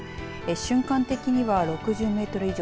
瞬間的には６０メートル以上。